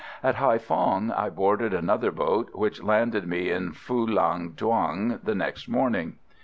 At Haïphong I boarded another boat, which landed me in Phulang Thuong the next morning.